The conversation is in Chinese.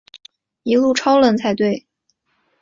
一路超冷才对